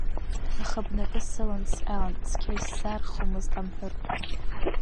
Аха бнакы сылан сҟьалан, цқьа исзаархомызт амҳәыр.